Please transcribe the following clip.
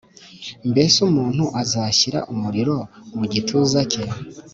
Mbese umuntu yashyira umuriro mu gituza cye